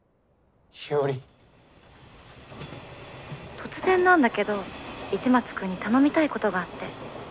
突然なんだけど市松君に頼みたいことがあって。